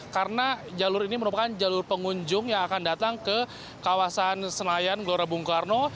karena jalur ini merupakan jalur pengunjung yang akan datang ke kawasan senayan gelora bung karno